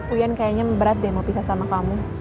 uyan kayaknya berat deh mau pisah sama kamu